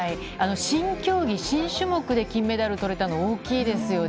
新競技、新種目で金メダルとれたの、大きいですよね。